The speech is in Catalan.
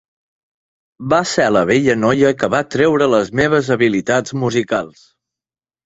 Va ser la vella noia que va treure les meves habilitats musicals.